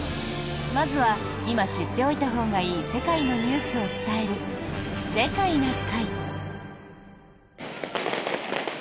まずは今知っておいたほうがいい世界のニュースを伝える「世界な会」。